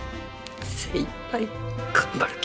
精いっぱい頑張るき。